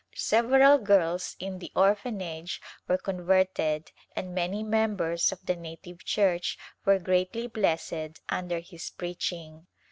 Several girls in the Orphanage were converted and many members of the native church were greatly blessed under his preaching.